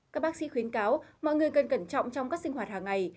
các bác sĩ khuyến cáo mọi người cần cẩn trọng trong các sinh hoạt hàng ngày